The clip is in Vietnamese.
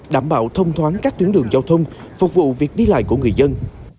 đảm bảo thông thoáng các tuyến đường giao thông phục vụ việc đi lại của người dân